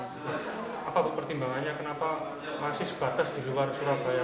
apa pertimbangannya kenapa masih sebatas di luar surabaya